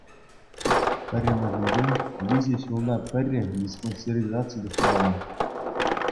Пӗрремӗшӗнчен, виҫӗ ҫулта пӗрре диспансеризаци тухмалла.